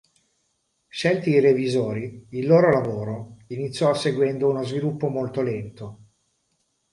Scelti i revisori, il loro lavorò iniziò seguendo uno sviluppo molto lento.